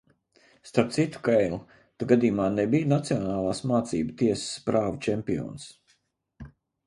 Starp citu, Kail, tu gadījumā nebiji nacionālais mācību tiesas prāvu čempions?